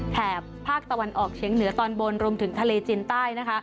แถบภาคตะวันออกเฉียงเหนือตอนบนรวมถึงทะเลจีนใต้นะคะ